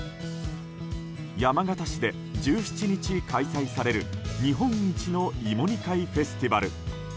山形市で１７日開催される日本一の芋煮会フェスティバル。